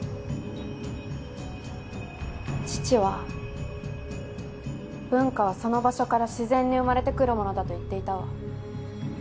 父は文化はその場所から自然に生まれてくるものだと言っていたわ。